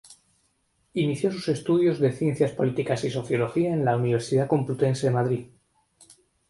Inició sus estudios de ciencias políticas y sociología en la Universidad Complutense de Madrid.